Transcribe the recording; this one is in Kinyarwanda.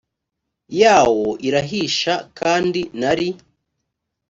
yawo irahisha kandi nari